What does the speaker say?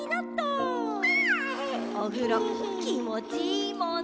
おふろきもちいいもんね。